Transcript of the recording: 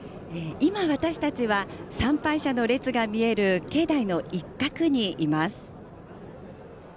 今、私たちは参拝者の列が見える境内の一角にいます。